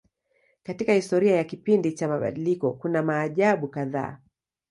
Katika historia ya kipindi cha mabadiliko kuna maajabu kadhaa.